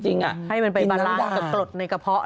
ให้มันไปบารังกับกรดในกระเพาะเรา